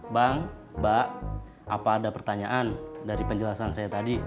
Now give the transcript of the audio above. bang bang apa ada pertanyaan dari penjelasan saya tadi